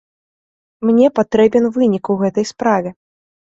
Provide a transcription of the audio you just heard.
Мне патрэбен вынік у гэтай справе.